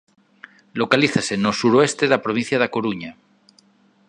Localízase no suroeste da provincia da Coruña.